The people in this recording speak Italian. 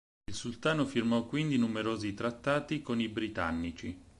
Il sultano firmò quindi numerosi trattati con i britannici.